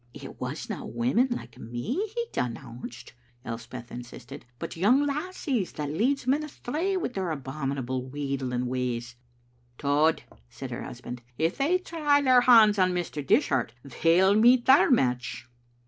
"It wasna women like me he denounced," Elspeth insisted, "but young lassies that leads men astray wi' their abominable wheedling ways. "" Tod," said her husband, " if they try their hands on Mr. Dishart they'll meet their match."